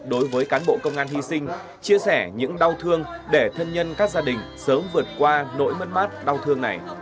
đối với cán bộ công an hy sinh chia sẻ những đau thương để thân nhân các gia đình sớm vượt qua nỗi mất mát đau thương này